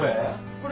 これ。